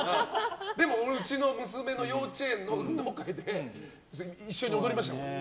でも、うちの娘の幼稚園の運動会で一緒に踊りました。